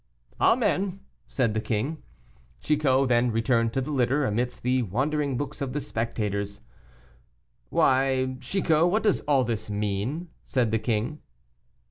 "Amen!" said the king. Chicot then returned to the litter, amidst the wondering looks of the spectators. "Why, Chicot, what does all this mean?" said the king.